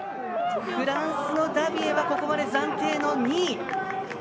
フランスのダビエはここまで暫定の２位。